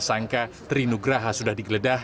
yang bersangkutan sudah digeledah